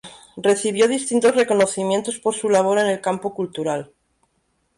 Recibió distintos reconocimientos por su labor en el campo cultural.